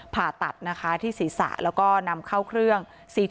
ผ่าตัดนะคะที่ศีรษะแล้วก็นำเข้าเครื่อง